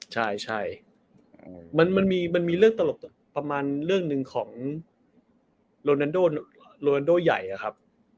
ใช่มันมีเรื่องตลกประมาณเรื่องหนึ่งของโรนันโรนันโดใหญ่อะครับ